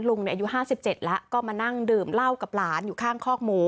ลุงเนี่ยอายุห้าสิบเจ็ดแล้วก็มานั่งดื่มเหล้ากับหลานอยู่ข้างคอกหมู